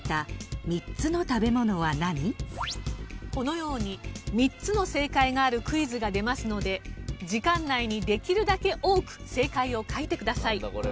このように３つの正解があるクイズが出ますので時間内にできるだけ多く正解を書いてください。